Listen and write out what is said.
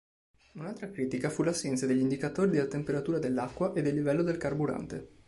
Un'altra critica fu l'assenza degli indicatori della temperatura dell'acqua e del livello del carburante.